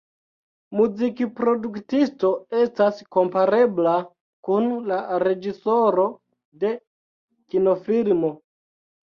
Muzikproduktisto estas komparebla kun la reĝisoro de kinofilmo.